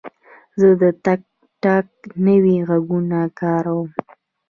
زه د ټک ټاک نوي غږونه کاروم.